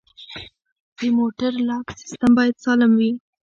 د موټر لاک سیستم باید سالم وي.